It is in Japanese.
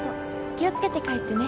気をつけて帰ってね」。